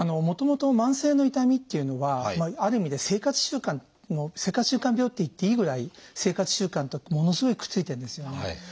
もともと慢性の痛みっていうのはある意味で生活習慣の「生活習慣病」って言っていいぐらい生活習慣とものすごいくっついてるんですよね。